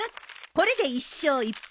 これで１勝１敗。